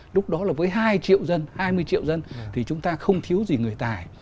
lúc đó là với hai triệu dân hai mươi triệu dân thì chúng ta không thiếu gì người tài